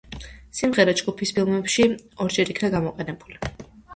სიმღერა ჯგუფის ფილმებში ორჯერ იქნა გამოყენებული.